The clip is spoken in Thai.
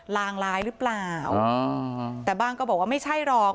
ลางร้ายหรือเปล่าแต่บ้างก็บอกว่าไม่ใช่หรอก